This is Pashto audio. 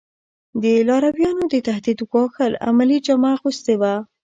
د لارویانو د تهدید ګواښل عملي جامه اغوستې وه.